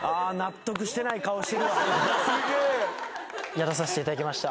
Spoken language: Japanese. やらさせていただきました。